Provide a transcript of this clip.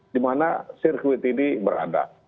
di mana sirkuit ini berada